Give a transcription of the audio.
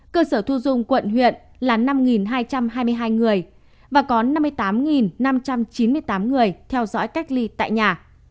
cơ sở thu dung quận huyện là năm hai trăm hai mươi hai người và có năm mươi tám năm trăm chín mươi tám người theo dõi cách ly tại nhà